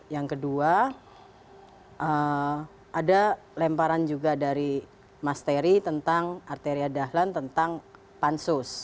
yang kedua ada lemparan juga dari mas terry tentang arteria dahlan tentang pansus